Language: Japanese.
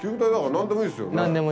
何でもいいです。